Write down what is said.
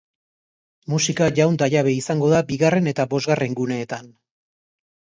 Musika jaun ta jabe izango da bigarren eta bosgarren guneetan.